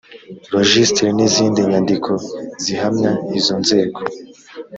rojisitiri n izindi nyandiko zihamya izo nzego